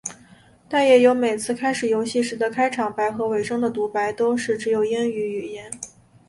但也有每次开始游戏时的开场白和尾声的读白都是只有英语语音。